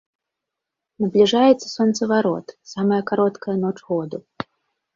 Набліжаецца сонцаварот, самая кароткая ноч году.